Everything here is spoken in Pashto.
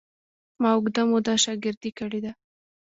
ما اوږده موده شاګردي کړې ده.